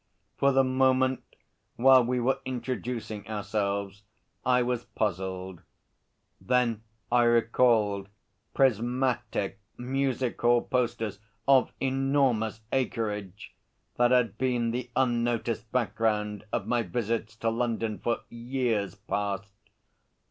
For the moment, while we were introducing ourselves, I was puzzled. Then I recalled prismatic music hall posters of enormous acreage that had been the unnoticed background of my visits to London for years past.